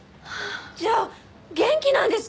じゃあ元気なんですか？